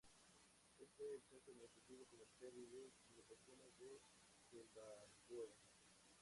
Es el centro administrativo, comercial, y de comunicaciones de Zimbabue.